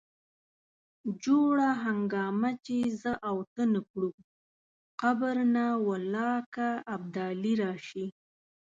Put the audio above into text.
جوړه هنګامه چې زه او ته نه کړو قبر نه والله که ابدالي راشي.